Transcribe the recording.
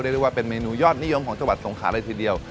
เรียกว่าเป็นเมนูยอดนิยมของจังหวัดสงขาเลยทีเดียว